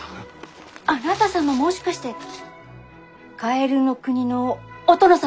あなた様もしかしてカエルの国のお殿様？